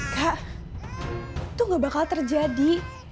kak itu gak bakal terjadi